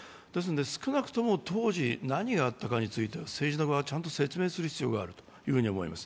少なくとも当時何があったかについては政治の側はちゃんと説明すべきだと思います。